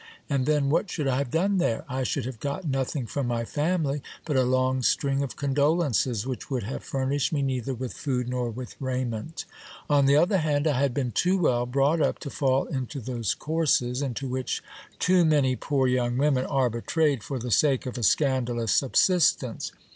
And then what should I have done there ? I should have got nothing from my family but a long string of condolences, which would have furnished me neither with food nor with raiment On the other hand, I had been too well brought up to fall into those courses, into which too many poor young women are betrayed for the sake of a scandalous subsistence.